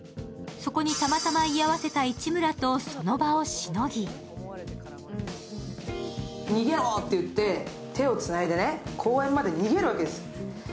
そこにたまたま居合わせた市村とその場をしのぎ逃げろって言って、手をつないで公園まで逃げるわけです。